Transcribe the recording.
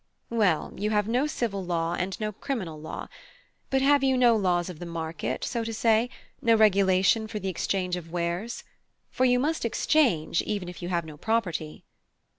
"Well, you have no civil law, and no criminal law. But have you no laws of the market, so to say no regulation for the exchange of wares? for you must exchange, even if you have no property."